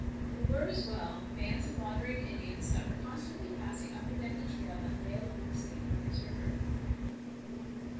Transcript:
There were as well bands of wandering Indians that were constantly passing up and down the trail that lay along the St. Lawrence River.